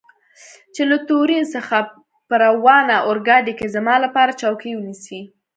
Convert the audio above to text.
چې له تورین څخه په راروانه اورګاډي کې زما لپاره چوکۍ ونیسي.